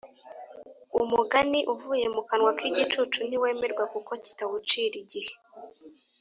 Umugani uvuye mu kanwa k’igicucu ntiwemerwa, kuko kitawucira igihe.